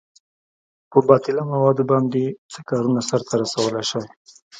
په باطله موادو باندې څه کارونه سرته رسولئ شئ؟